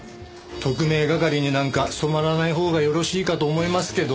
特命係になんか染まらないほうがよろしいかと思いますけど。